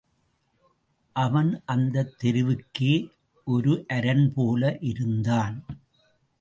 அவன் அந்தத் தெருவுக்கே ஒரு அரண் போல இருந்தான்.